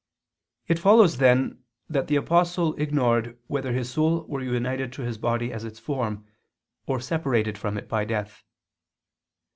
It follows, then, that the Apostle ignored whether his soul were united to his body as its form, or separated from it by death.